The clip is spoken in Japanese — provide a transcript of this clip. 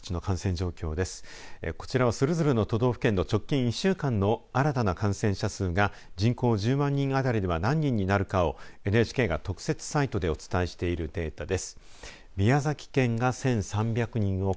こちらは、それぞれの都道府県の直近１週間の新たな感染者数が人口１０万人当たりでは何人になるかをＮＨＫが特設サイトでお伝えしているデータです。